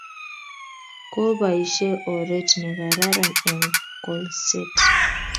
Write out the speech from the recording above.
Kopaishe oret ne kararan eng kolset